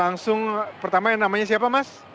langsung pertama yang namanya siapa mas